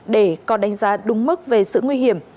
để có đánh giá đúng mức về sự nguy hiểm